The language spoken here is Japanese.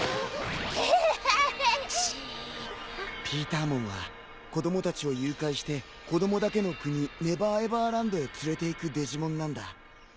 ピーターモンは子供たちを誘拐して子供だけの国ネバーエヴァーランドへ連れていくデジモンなんだ。